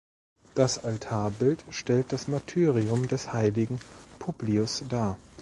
Das Altarbild stellt das Martyrium des Heiligen Publius dar.